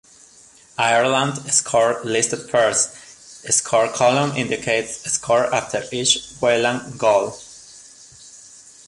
Ireland score listed first, score column indicates score after each Whelan goal.